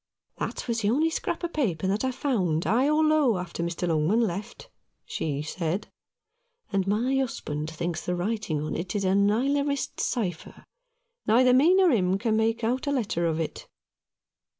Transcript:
" That was the only scrap of paper that I found, high or low, after Mr. Longman left," she said ; "and my husband thinks the writing on it is a Nilerist's cypher. Neither me nor him can make out a letter of it."